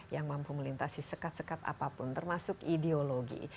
yang mampu melintasi sekat sekat apapun termasuk ideologi